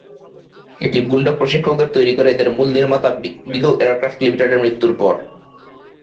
এটি বুলডগ প্রশিক্ষকদের তৈরি করে তাদের মূল নির্মাতা, বিগল এয়ারক্রাফট লিমিটেড এর মৃত্যুর পর।